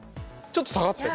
ちょっと下がった。